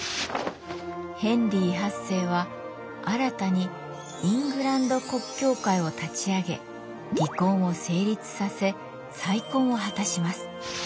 ヘンリー８世は新たにイングランド国教会を立ち上げ離婚を成立させ再婚を果たします。